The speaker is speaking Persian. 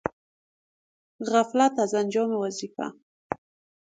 غفلت از انجام وظیفه